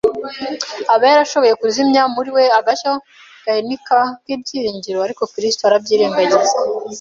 Aba yarashoboye huzimya muri we agacyo gahenika k'ibyiringiro ariko Kristo arabyirengagiza